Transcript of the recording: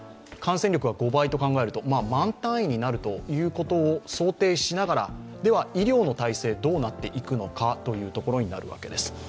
感染力が５倍と考えると、万単位になることを想定しながら、では医療の体制はどうなっていくのかというところになるわけです。